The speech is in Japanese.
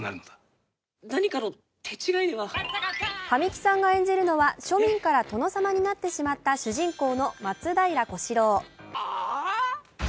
神木さんが演じるのは庶民から殿様になってしまった主人公の松平小四郎。